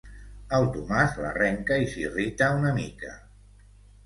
El Tomàs l'arrenca i s'irrita una mica.